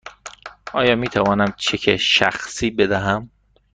آیا می توانم چک شخصی بدهم؟